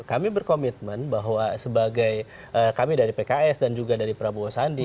kami berkomitmen bahwa sebagai kami dari pks dan juga dari prabowo sandi